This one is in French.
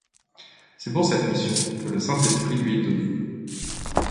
C'est pour cette mission que le Saint-Esprit lui est donné.